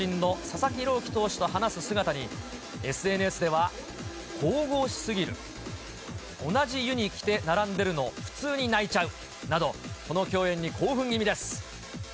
同じ岩手出身の佐々木朗希投手と話す姿に、ＳＮＳでは、神々しすぎる、同じユニ着て並んでるの普通に泣いちゃうなど、この共演に興奮気味です。